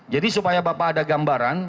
supaya bapak ada gambaran